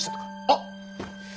あっ。